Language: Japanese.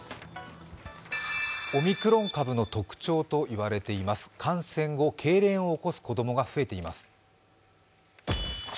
オミクロン株の特徴といわれています、感染後、感染後、けいれんを起こす子供が増えています。